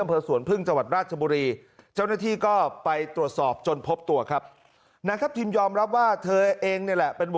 อำเภอสวนพึ่งจังหวัดราชบุรีเจ้าหน้าที่ก็ไปตรวจสอบจนพบตัวครับนะครับทิมยอมรับว่าเธอเองนี่แหละเป็น